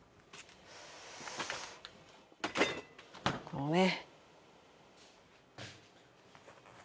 このね。